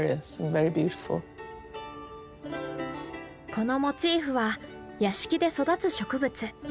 このモチーフは屋敷で育つ植物。